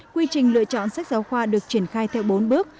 quy trình lựa chọn sách giáo khoa được triển khai theo bốn bước